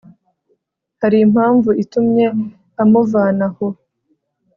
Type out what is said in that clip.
hari impamvu itumye amuvana aho